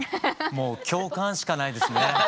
もう共感しかないですね。